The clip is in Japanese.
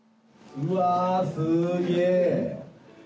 うわあ、すげえ。